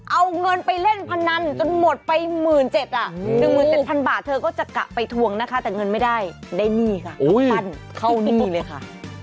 เอาเงินไปเล่นพนันจนหมดไปหมื่นเจ็ดอะหมื่นเจ็ดพันบาทเธอก็จะกะไปทวงนะคะแต่เงินไม่ได้ได้หนี้ค่ะตั้งตั้งเข้าหนี้เลยค่ะ